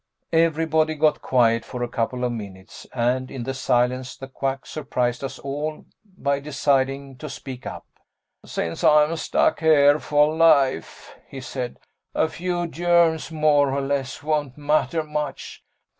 Everybody got quiet for a couple of minutes, and in the silence the Quack surprised us all by deciding to speak up. "Since I'm stuck here for life," he said, "a few germs more or less won't matter much.